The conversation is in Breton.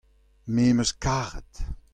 me'm eus karet.